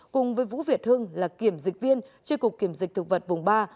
cùng với vũ việt hưng là kiểm dịch viên tri cục kiểm dịch thực vật vùng ba